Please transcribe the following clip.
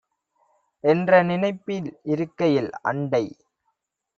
என்ற நினைப்பில் இருக்கையில், அண்டை